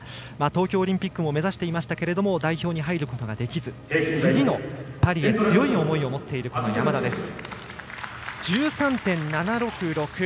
東京オリンピックも目指していましたけれども代表に入ることができず次のパリへ強い思いを持っている山田です。１３．７６６。